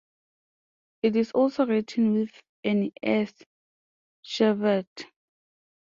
It is also written with an "S", Sheveret.